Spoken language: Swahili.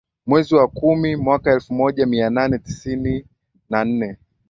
Mwezi wa kumi mwaka elfu moja mia nane tisini na nne